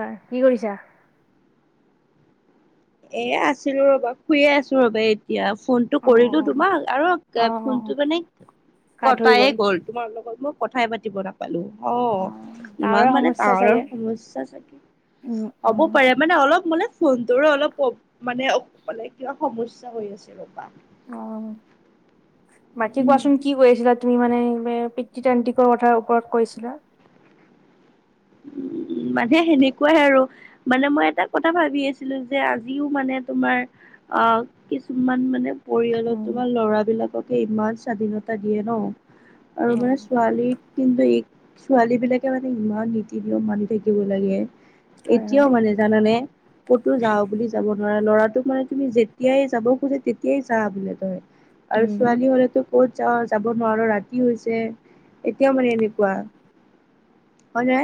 হয় কি কৰিছা? এ, আছিলো ৰ'বা শুয়ে আছো ৰ'বা এতিয়া ফোন টো অ কৰিলো তোমাক আৰু অ ফোনটো মানে গা ধুই কটাইে গ'ল। তোমাৰ লগত মই কথাই পাতিব নাপালো। অ, ইমান তাৰে মানে সমস্যা তাৱৰৰ চাগে। সমস্যা চাগে উম হ'ব উম পাৰে। মানে অলপ মানে ফোনটোৰো অলপ মানে, মানে কিবা সমস্যা হৈ আছে ৰ'বা। অ, বাকী উম কোৱাচোন কি কৰিছিলা তুমি মানে অতান্ত্ৰিকৰ কথাৰ ওপৰত কৈছিলা। উ, মানে সেনেকুৱাইে আৰু। মানে মই এটা কথা ভাবি আছিলো যে আজিও মানে তোমাৰ অ, কিছুমান মানে পৰিয়ালত উম তোমাৰ ল'ৰা বিলাককে ইমান স্বাধীনতা দিয়ে ন। আৰু উম মানে ছোৱালী কিন্তু এই ছোৱালী বিলাকে মানে ইমান নি ও মানি থাকিব লাগে, হয় এতিয়াও হয় মানে জানানে কতো যাওঁ বুলি যাব অ', ল'ৰাটোক মানে তুমি যেতিয়াই যাব খোজে তেতিয়াই যা বোলে তই, আৰু উম ছোৱালী হ'লে তোক ক'ত যাৱ, যাব নোৱাৰ ৰাতি হৈছে এতিয়াও মানে এনেকুৱা, হয়নে?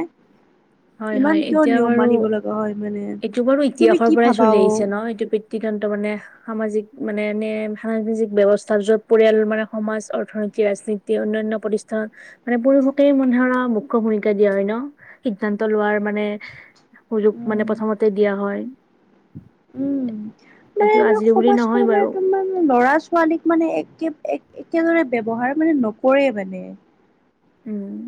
হয় হয়, এতিয়া বাৰু লগা হয় মানে এইটো বাৰু তুমি ইতিহাসৰ কি পৰাই ভাবা চলি অ আহিছে ন, এইটো পিতৃকান্ত মানে সামাজিক মানে, এনে সামাজিক ব্যৱস্থা য'ত পৰিয়াল মানে সমাজ অৰ্থনীতি ৰাজনীতি অন্যান্য প্ৰতিস্থান মানে পুৰুষকে মোলৰ মুখ্য ভূমিকা দিয়া হয় ন, সিদ্ধান্ত লোৱাৰ মানে সুযোগ মানে উম প্ৰথমতে দিয়া হয়, উম্, মানে এইটো আজিৰ বুলি নহয় সমাজখন বাৰু মানে তোমাৰ ল'ৰা ছোৱালীক মানে একে, একেদৰে ব্যৱহাৰ মানে নকৰে মানে, উম্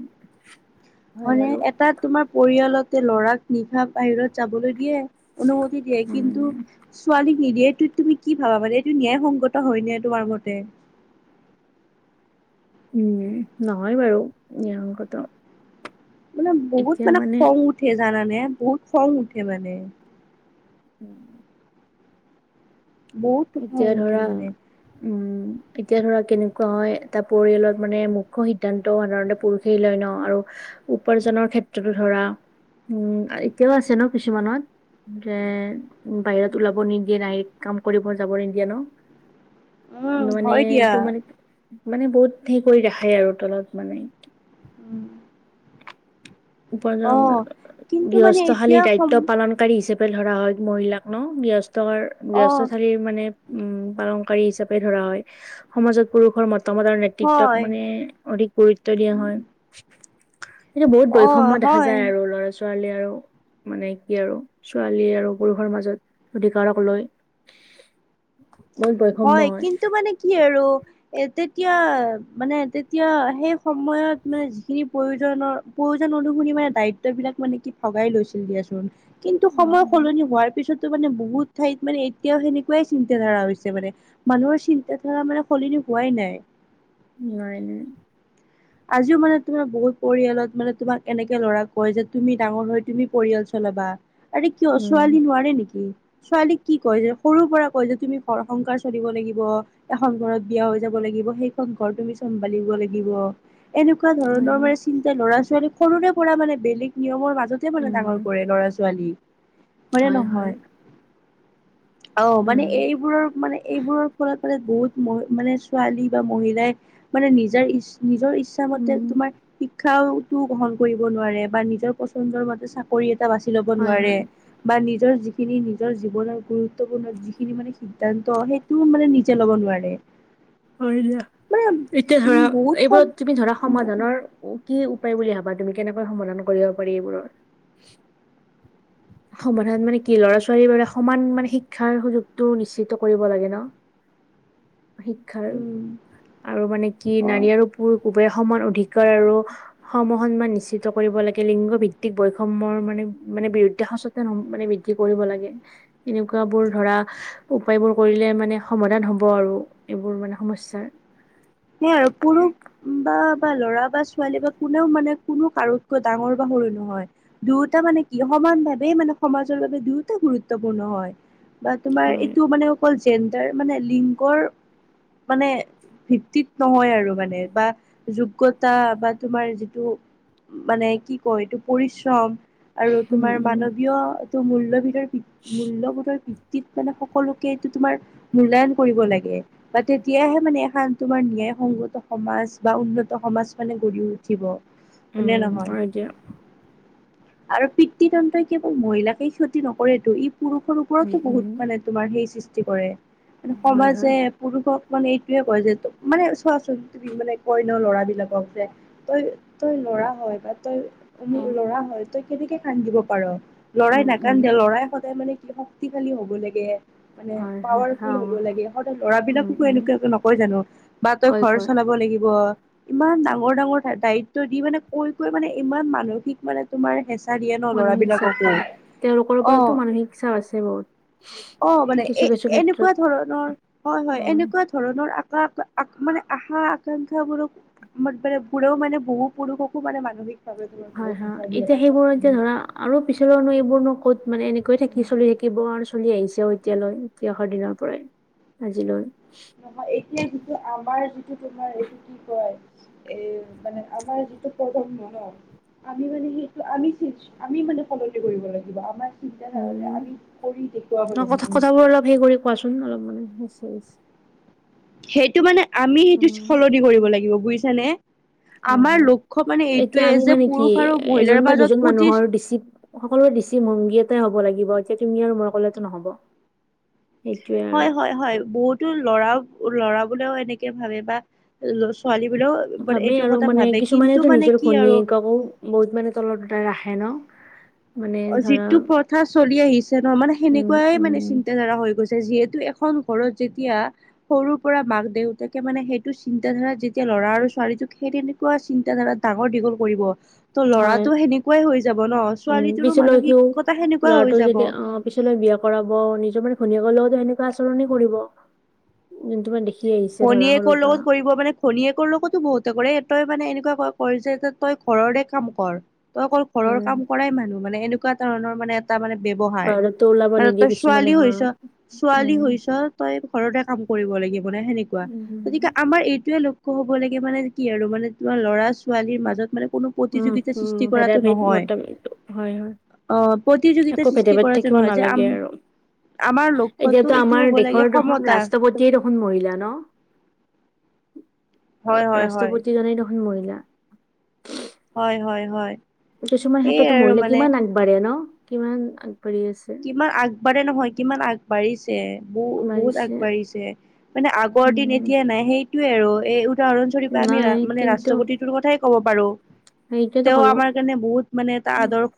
মানে এটা তোমাৰ পৰিয়ালতে ল'ৰাক নিশা বাহিৰত যাবলৈ দিয়ে। অনুমতি দিয়ে, কিন্তু উম ছোৱালীক নিদিয়ে, এইটো তুমি কি ভাবা মানে এইটো ন্যায়সংগত হয় নে তোমাৰ মতে? উম্, নহয় বাৰু ন্যায়সঙ্গত। মানে বহুত মানে খং উঠে জানানে বহুত খং উঠে মানে, উম্ বহুত খং এতিয়া উঠে ধৰা, মানে উম্ এতিয়া ধৰা, কেনেকুৱা হয়, এটা পৰিয়ালত মানে মুখ্য সিদ্ধান্ত সাধাৰণতে পুৰুষেই লয় ন, আৰু উপাৰ্জনৰ ক্ষেত্ৰতো ধৰা, উম্ এতিয়াও আছে ন কিছুমান, যে বাহিৰত ওলাব নিদিয়ে, নাই কাম কৰিব যাবই নিদিয়ে ন, উম মানে হয় দিয়া এইটো মানে মানে বহুত হেৰি কৰি ৰাখে আৰু তলত মানে, উম্ উৰ্পাজন, কিন্তু মানে গৃহস্থশালী এতিয়া সম দায়িত্ব পালনকাৰী হিচাপে ধৰা হয় মহিলাক ন, গৃহস্থৰ অ গৃহস্থালিৰ মানে উম্, পালনকাৰী হিচাপে ধৰা হয়। সমাজত পুৰুষৰ মতামত আৰু নেতৃত্বত হয় মানে অধিক গুৰুত্ব দিয়া হয়, এইটো বহুত বয় অ হয়। ল'ৰা ছোৱালী আৰু মানে কি আৰু, ছোৱালী আৰু পুৰুষৰ মাজত অধিকাৰক লৈ বহুত বৈষম্য হয়, কিন্তু মানে কি আৰু এ তেতিয়া, মানে তেতিয়া সেই সময়ত মানে যিখিনি প্ৰয়োজনৰ প্ৰয়োজন অনুসৰি মানে দায়িত্ব বিলাক মানে কি ভগাই লৈছিল দিয়াচোন, কিন্তু সময় সলনি উম হোৱাৰ পিছতো মানে বহুত ঠাইত মানে এতিয়াও সেনেকুৱাই চিন্ত ধাৰা হৈছে মানে, মানুহৰ চিন্তা ধাৰা মানে সলনি হোৱাই নাই। নাই নাই। আজিও মানে তোমাৰ বহুত পৰিয়ালত মানে তোমাক এনেকে ল'ৰাক কয় যে তুমি ডাঙৰ হৈ তুমি পৰিয়াল চলাবা। আৰে কিয়? উম ছোৱালী নোৱাৰে নেকি? ছোৱালীক কি কয় যে, সৰুৰ পৰা কয় যে তুমি ঘৰ সংসাৰ চলিব লাগিব। এখন ঘৰত বিয়া হৈ যাব লাগিব, সেইখন ঘৰ তুমি চম্ভালিব লাগিব। এনেকুৱা হয় ধৰণৰ হয় মানে চিন্তা ল'ৰা ছোৱালী সৰুৰে পৰা মানে বেলেগ নিয়মৰ মাজ য'তে মানে উম ডাঙৰ কৰে ল'ৰা-ছোৱালীক হয়নে হয় হয় নহয়? অ', মানে উম এইবোৰৰ, মানে এইবোৰৰ ফলত বহুত মহ, মানে ছোৱালী বা মহিলাই মানে নিজৰ ইছ নিজৰ ইচ্ছা মতে উম তোমাৰ শিক্ষাও গ্ৰহণ কৰিব নোৱাৰে বা নিজৰ পচন্দৰ মতে চাকৰি চাকৰি এটা বাচি ল'ব হয় নোৱাৰে হয় বা নিজৰ যিখিনি নিজৰ জীৱনৰ গুৰুত্বপূৰ্ণ যিখিনি মানে। সিদ্ধান্ত সেইটো মানে নিজে ল'ব নোৱাৰে। হয় দিয়া মানে এতিয়া উম ধৰা বহুত কম এইবোৰত তুমি ধৰা সমাধানৰ কি উপায় বুলি ভাবা তুমি কেনেকৈ সমাধান কৰিব পাৰি এইবোৰৰ। সমাধান মানে কি ল'ৰা ছোৱালীৰ বোৰে সমান মানে শিক্ষাৰ সুযোগতটো নিশ্চিত কৰিব লাগে ন। শিক্ষাৰ উম আৰু মানে কি অ নাৰী আৰু পুৰুষ সমান অধিকাৰ আৰু সম, সন্মান নিশ্চিত কৰিব লাগে লিংগ ভিত্তিক বৈষময়ৰ মানে, মানে বিৰুদ্ধে ইচেতেন মানে বৃদ্ধি কৰিব লাগে এনেকুৱা বোৰ ধৰা উপায়বোৰ কৰিলে মানে সমাধান হ'ব আৰু এইবোৰ মানে সমম্যাৰ সেই আৰু পুৰুষ বা, বা ল'ৰা বা ছোৱালী বা কোনেও মানে কোনো কাৰোতকৈ ডাঙৰ বা সৰু নহয়। দুয়োটা মানে কি সমান ভাৱেই মানে সমাজৰ বাবে দুয়োটা গুৰুত্বপূৰ্ণ হয়। বা তোমাৰ হয় এইটো মানে অকল জেণ্ডাৰ মানে লিংগৰ মানে ভিত্তিত নহয় আৰু মানে বা যোগ্যতা বা তোমাৰ যিটো মানে কি কয় এইটো পৰিশ্ৰম আৰু উম তোমাৰ উম মানৱীয়টো মূল্যবিধৰ ভিওি মূল্যয়বোধৰ ভিওি মানে সকলোকে এইটো তোমাৰ মূলায়ন কৰিব লাগে বা তেতিয়াহে মানে এখন তোমাৰ ন্যায় সংগত সমাজ বা উন্নত সমাজ মানে গঢ়ি উঠিব হয় উম নে, হয়। দিয়া আৰু পিতৃদন্তই কেৱল মহিলাকেই ক্ষতি নকৰেতটো ই পুৰুষৰ উম ওপৰতো উম বহুত মানে তোমাৰ সেই সৃষ্টি কৰে হয় হয় সমাজে পুৰুষক মানে এইটোয়ে কয় যে মানে চোৱাচোন তুমি মানে কয় ন ল'ৰাবিলাকক যে তই তই ল'ৰা হয় বা তই মোৰ উম ল'ৰা হয় তই কেনেকে কান্দিব পাৰ ল'ৰাই উম নাকান্দে, ল'ৰাই সদায় মানে শক্তিশালী হ'ব লাগে। মানে হয় হয় অ পাৱাৰফুল হ'ব লাগে সদায় উম ল'ৰাবিলাককো উম এনেকুৱা নকয় জানো। বা তই কয় ঘৰ কয় চলাব লাগিব। ইমান ডাঙৰ, ডাঙৰ দায়িত্ব দি মানে কৈ, কৈ মানে ইমান মানসিক মানে তোমাৰ হেঁচা দিয়ে ন মানসিক চাপ ল'ৰাবিলাককো পৰে তেওঁলোকৰ অ ওপৰতো মানসিক চাপ আছে বহুত। অ, মানে কিছু এ, কিছু এনেকুৱা ক্ষেত্ৰত ধৰণৰ হয়, হয় উম এনেকুৱা ধৰণৰ আকা মানে আশা আকাংক্ষাবোৰক মানে বোৰেও মানে বহু পুৰুষকো মানে মানসিক তোমাৰ হয় বহুত হয় মচাই এতিয়া সেইবোৰ এতিয়া দিয়ে ধৰা [unintelligible] আৰু পিছলৈনো এইবোৰ নো ক'ত মানে এনেকে থাকি দিয়ে। চলি থাকিব আৰু চলি আহিছে এতিয়ালৈ। তিয়হৰ দিনৰ পৰাই আজিলৈ। নহয় এতিয়া যিটো আমাৰ যিটো তোমাৰ এইটো কি কয় এ, মানে আমাৰ যিটো প্ৰথম মনত আমি মানে সেইটো আমি আমি মানে সলনি কৰিব লাগিব আমাৰ চিন্তাধাৰা বিলাক উম আমি কৰি দেখুৱাব ন কথা কথাবোৰ লাগিবটো। অলপ সেই কৰি কোৱাচোন অলপ মানে সেইটো মানে আমি সেইটো উম সলনি কৰিব লাগিব বুজিছানে। হয়, আমাৰ হয় লক্ষ্য মানে এতিয়া এইটোয়ে আমি যে মানে কি পুৰুষ আৰু মহিলাৰ এজন বা মাজত দুজন প্ৰতি মানুহৰ বেছি সকলোৰে দিশি ভংগী এটাই হ'ব লাগিব এতিয়া তুমি আৰু মই কলেতো নহ'ব। সেইটোয়ে আৰু হয়, হয়, হয়, বহুত। টো ল'ৰা, ল'ৰা বোলেও এনেকে ভাবে বা ছোৱালী বোলেও। ভাবেই এইটো আৰু কথা মানে ভাবে কিন্তু কিছুমানেতো মানে নিজৰ কি আৰু ঘৈনীয়েককো বহুত মানে তলত ৰাখে ন। মানে অ, ধৰা যিটো প্ৰথা চলি আহিছে ন মানে উম সেনেকুৱাই মানে উম চিন্তাধাৰা হৈ গৈছে। যিহেতু এখন ঘৰত যেতিয়া সৰুৰ পৰা মাক-দেউতাকে মানে সেইটো চিন্তা ধাৰা যেতিয়া ল'ৰা আৰু ছোৱালীটোক সেই তেনেকুৱা চিন্তাধাৰা ডাঙৰ দীঘল কৰিব ত' হয় ল'ৰাতটো সেনেকুৱাই হৈ যাব ন ছোৱালী ছিল ক, ল'ৰাটো যদি অ, পিছলৈ বিয়া কৰাব নিজৰ মানে ঘুনীয়ে কলেওতো সনেুৱা আচৰণ কৰিব যোনু ম, দে ভনীয়েকৰ লগত কৰিব মানে ধনীয়েকৰ লগতো বহুতে কৰে তই মানে এনেকুৱা ক-কৰ যে যে তই ঘৰৰে কাম কৰ তই অকল ঘৰৰ হয় কাম কৰাই মানুহ মানে এনেকুৱা ধৰণৰ মানে তাৰ মানে ব্যৱহাৰ বাহিৰতো ওলাব মানে নিদিয়ে তই কিছুমানে ছোৱালী হয় হৈছ ছোৱালী উম হৈছ তই ঘৰতে কাম কৰিব লাগিব মানে সেনেকুৱা। গতিকে উম আমাৰ এইটোয়ে লক্ষ্য হ'ব লাগে মানে কি আৰু মানে তোমাৰ ল'ৰা ছোৱালীৰ মাজত মানে কোনো উম প্ৰতিযোগিতা উম, সৃষ্টি ভেদাই কৰাটো ভেদ নহয় মটামটো হয় হয়। অ প্ৰতিযোগিতা একো ভেদে সৃষ্টি ভেদ কৰাটো থাকিব নহয় যে আম নালাগে আৰু। আমাৰ লক্ষ্যটো এতিয়াতো এইটো আমাৰ হ'ব লাগে দেশৰ দসং সমতা ৰাষ্ট্ৰপতি কেই দেখোন মহিলা ন'। হয় হয় হয় ৰাষ্ট্ৰপতিজনে দেখোন মহিলা। হয় হয় হয়। কিছুমান সেইয়াই হেটতটো আৰু মহিলা মানে কিমান আগবাঢ়ে ন' কিমান আগবাঢ়ি আছে। কিমান আগবাঢ়ে নহয় কিমান আগবাঢ়িছে বহু-বহুত বাঢ়িছে। আগবাঢ়িছে মানে আগৰ দিন উম, এতিয়া নাই সেইটোয়ে আৰু এই ৰণ্বৰপা আমি নাই মানে কিন্তু ৰাষ্ট্ৰপতিটোৰ কথাই ক'ব পাৰো। সেইটোৱেতো তেওঁ ক'লো। আমাৰ কাৰণে বহুত মানে এটা আদৰ্শ,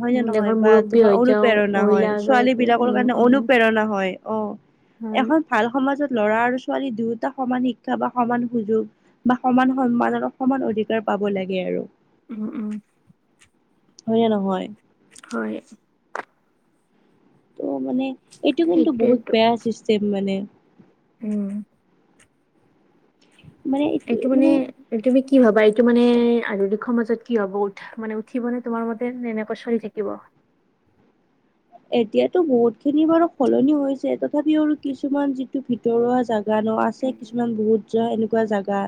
হয় নে উম, নহয় দেশৰ বা মুৰব্বী তোমাৰ হৈ অনু তেওঁ প্ৰেৰণা মহিলা হয় ছোৱালী এগৰাকী, বিলাকৰ উম, কাৰণে উম, অনুপ্ৰেৰণা হয়, অ' হয়। এখন ভাল সমাজত ল'ৰা আৰু ছোৱালীৰ দুয়োটা সমান শিক্ষা বা সমান সুযোগ বা সমান সন্মান অকমান অধিকাৰ পাব লাগে আৰু। উম, উম। হয়নে নহয়? হয়। ত' মানে এইটো কিন্তু বহুত সেইটোৱেতো, বেয়া চিষ্টেম মানে। উম। এইটো মানে তুমি কি ভাবা এইটো মানে [unintelligible] দিখৰ মাজত কি হ'ব উঠাহ মানে উঠিবনে তোমাৰ মতে এনেকৈ চলি থাকিব। এতিয়াতো বহুত খিনি বাৰু সলনি হৈছে তথাপিও আৰু কিছুমান যিটো ভিতৰুৱা জাগা ন আ আছে উম, কিছুমান বহুত য এনেকুৱা জোগা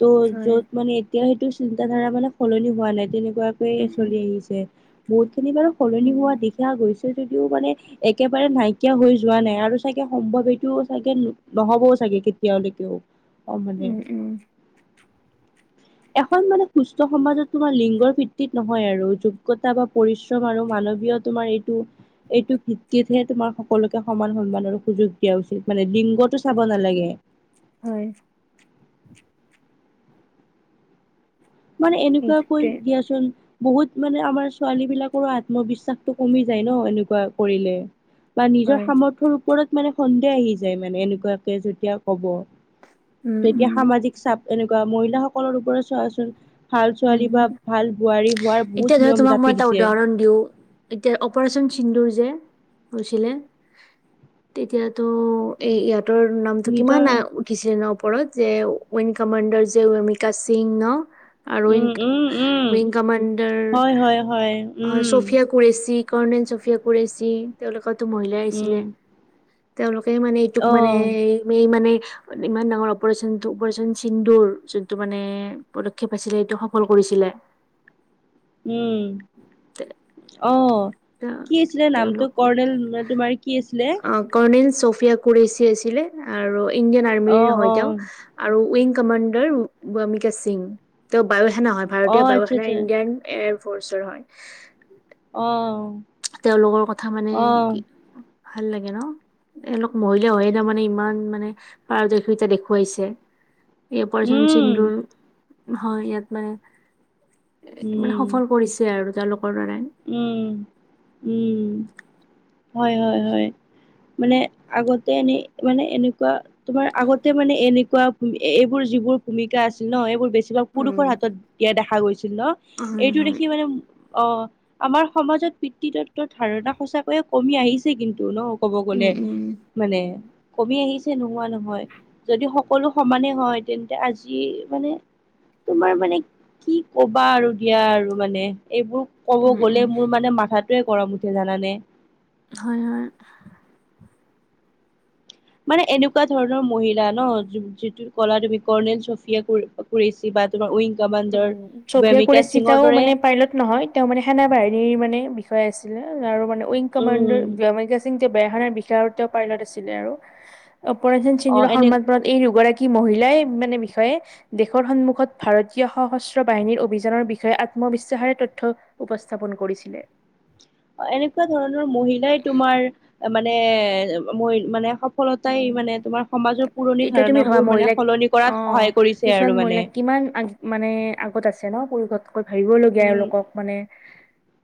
ত' হয়। য'ত মানে এতিয়া সেইটো চিন্ত ধাৰা মানে সলনি হোৱা নাই উম তেনেকুৱাকৈয়ে চলি আহিছে। বহুতখিনি বাৰু সলনি উম হোৱা দেখা গৈছে যদিও মানে একেবাৰে নাইকিয়া হৈ যোৱা নাই আৰু চাগে সম্ভৱ এইটো চাগে নহবও চাগে কেতিয়ালৈকেও। অ' মানে। উম উম এখন মানে সুস্থ সমাজত তোমাৰ লিংগৰ ভিত্তিত নহয় আৰু যোগ্য়তা বা পৰিশ্ৰম আৰু মানৱীয় তোমাৰ এইটো এইটো ভিত্তিতহে তোমাৰ সকলোকে সমান সন্মানৰ সুযোগ দিয়া উচিত মানে লিংগতটো চাব নালাগে। হয়। মানে এনেকুৱা কৈ সেইটোৱে দিয়াচোন বহুত মানে আমাৰ ছোৱালী বিলাকৰো আত্মবিশ্বাসটো কমি যায় ন' এনেকুৱা কৰিলে। বা নিজৰ হয় সামৰ্থৰ ওপৰত মানে সন্দেহ আহি যায় মানে এনেকুৱাকে যেতিয়া ক'ব। উম তেতিয়া উম সামাজিক চাপ এনেকুৱা মহিলাসকলৰ ওপৰত চোৱাচোন ভাল ছোৱালী বা উম ভাল বোৱাৰী হোৱাৰ বহুত নিয়ম জাপি দিছে। অণ্ডউ এতিয়া অপাৰেচন সিন্ধুৰ যে হৈছিলে তেতিয়াতো এ ইয়াতৰ নামটো কিমান নিজৰ কিছুদিনৰ ওপৰত যে উইং কামাণ্ডাৰ যে মিকা সিং ন'। আৰু উম উম উম উং-উইং কামাণ্ডাৰ হয় হয় হয় হয় উম চফিয়া কুৰেচী কৰ্ণন চফিয়া কুৰেশী তেওঁলোকো মহিলাই উম আহিছিলে। তেওঁলোকে মানে এইটোক অ মানে এই মানে ইমান ডাঙৰ অপাৰচন-অপাৰেচন চিন্ধুৰ যোনটো মানে পদক্ষেপ পাইছিলে এইটো সফল কৰিছিলে। উম, অ',। কি আছিলে নামটো তেওঁলোক কৰ্ণেল তোমাৰ কি আছিলে? কৰ্ণিল চফিয়া কুৰেচি আছিলে আৰু ইণ্ডিয়ান অ আৰ্মিৰ হয় অ তেওঁ। আৰু উইং কমাণ্ডাৰ ভ্যমিকা সিং। তেওঁ বায়ু সেনা হয় অ ভাৰতীয় বায়ু আচ্ছা সেনাৰ আচ্ছা ইণ্ডিয়ান এয়াৰ ফৰ্চৰ হয়। অ',। তেওঁলোকৰ কথা মানে অ কি ভাল লাগে ন। এলোক মৰিলে হয় এতিয়া মানে ইমান মানে [unintelligible] দেখুৱাইছে। ইয়াৰ পৰচন উম চিন্দুৰ, হয় ইয়াত মানে এ মানে উম সফল কৰিছে আৰু তেওঁলোকৰ দাৰাই। উম, উম, হয় হয় হয়, মানে আগতে এনে মানে এনেকুৱা তোমাৰ আগতে মানে এনেকুৱা এইবোৰ যিবোৰ ভূমিকা আছিল ন এইবোৰ বেছি পুৰুষৰ হাতত দিয়া দেখা গৈছিল ন, হয় এইটো হয় দেখি মানে অ', আমাৰ সমাজত পিতৃৃতত্বৰ ধাৰণা সঁচাকৈয়ে কমি আহিছে কিন্তু ন ক'ব গ'লে। উম উম মানে কমি আহিছে নোহোৱা নহয়। যদি সকলো সমানে হয় তেন্তে আজি মানে তোমাৰ মানে কি কবা আৰু দিয়া আৰু মানে এইবোৰ ক'ব উম উম গ'লে মোৰ মানে মাথাত টোৱে গৰম উঠে জানা নে? হয়, হয়। মানে এনেকুৱা ধৰণৰ মহিলা ন যিটো কলা তুমি কৰ্ণেল চফিয়া কুৰেচি বা তোমাৰ উইং কামাণ্ডাৰ উম চফিয়া ভেমিকা কুৰেশ্বি তেওঁ সিঙৰ দৰে মানে পাইলট নহয় তেওঁ মানে সেনা বাহিনীৰ মানে বিষয় আছিলে আৰু মানে উইং কমাণ্ডৰ উম ভ্যমিকা সিং তেওঁ বেয়াখাৰ বিষ আৰু তেওঁ পাইলট আছিলে আৰু, অপৰাণসি অ সিংৰ এনে [unintelligible] এই দুগৰাকী মহিলাই মানে বিষয়ে দেশৰ সন্মুখত ভাৰত তীয় সশস্ত্ৰ বাহিনীৰ অভিযানৰ বিষয়ে আত্মবিশ্বাসে তথ্য উপস্থাপন কৰিছিলে। অ', এনেকুৱা ধৰণৰ মহিলাই তোমাৰ মানে-মানে সফলতাই মানে তোমাৰ সমাজৰ পুৰণি এতিয়া তুমি ভাবা ধাৰণাবোৰ মানে মহিলাক সলনি অ কৰাত সহায় কৰিছে কিছুমান আৰু মানে। মহিলাক কিমান মানে আগত আছে ন পষতকৈ ভাবিবলগীয়া উম এলোকক মানে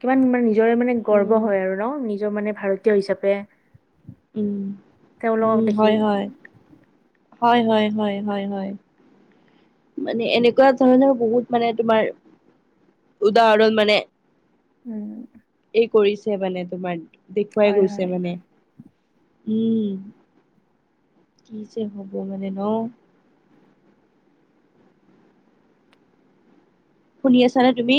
কিমান মানে নিজৰে মানে গৰ্ব উম হয় আৰু ন নিজৰ মানে ভাৰতীয় হিচাপে উম, তেওঁলোকক উম, দেখি হয় হয়, হয় হয় হয় হয় হয়। মানে এনেকুৱা ধৰণৰ বহুত মানে তোমাৰ, উদাহৰণ মানে উম। এই কৰিছে মানে তোমাৰ দেখুৱাই হয় গৈছে হয় মানে। উম, কি যে হ'ব মানে ন। শুনি আছা নে তুমি?